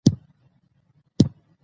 زه د ځمکپوهنې ډاکټر یم